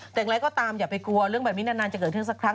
แต่อย่างไรก็ตามอย่าไปกลัวเรื่องแบบนี้นานจะเกิดขึ้นสักครั้ง